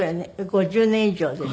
５０年以上でしょ？